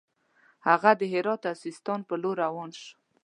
هغه د هرات او سیستان پر لور روان شو.